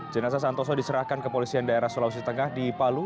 jenazah santoso diserahkan kepolisian daerah sulawesi tengah di palu